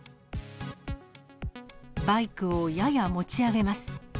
バイクをやや持ち上げます。